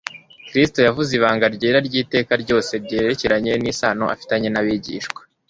Kristo yavuze ibanga ryera ry'iteka ryose ryerekeranye n'isano afitanye n'abigishwa.